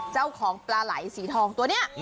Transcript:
เจ้าของปลาไหล่สีทองตัวนี้